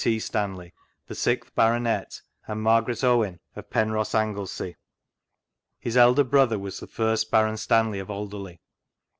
T. Stanley, the Sixth Baronet, and Margaret Owen, of Penrhos, Anglesey. His elder brother was the first Baron Stanley of Alderley.